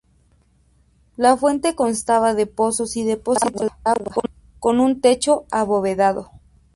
La fuente constaba de pozos y depósitos de agua, con un techo abovedado.